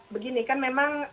begini kan memang